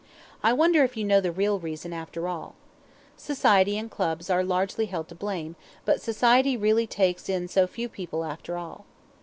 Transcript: I wonder if you know the real reason, after all. Society and clubs are held largely to blame, but society really takes in so few people, after all.